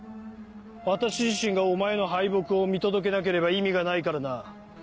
私自身がお前の敗北を見届けなければ意味がないからな。